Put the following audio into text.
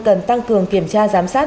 cần tăng cường kiểm tra giám sát